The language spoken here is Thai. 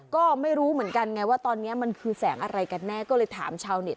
ก็ไม่รู้เหมือนกันไงว่าตอนนี้มันคือแสงอะไรกันแน่ก็เลยถามชาวเน็ต